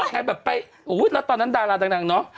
น้ำตอนนั้นดาราตั้งเนอะ